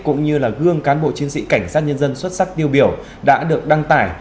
cũng như là gương cán bộ chiến sĩ cảnh sát nhân dân xuất sắc tiêu biểu đã được đăng tải